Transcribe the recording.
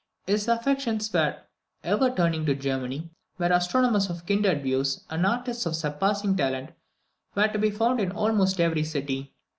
His affections were ever turning to Germany, where astronomers of kindred views, and artists of surpassing talent were to be found in almost every city.